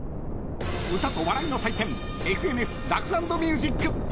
歌と笑いの祭典「ＦＮＳラフ＆ミュージック」。